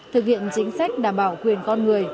thực hiện chính sách đảm bảo quyền con người